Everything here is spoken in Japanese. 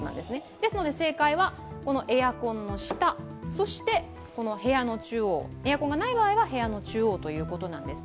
ですので、正解はエアコンの下、エアコンがない場合は部屋の中央ということです。